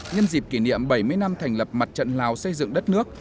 nhân dịp kỷ niệm bảy mươi năm thành lập mặt trận lào xây dựng đất nước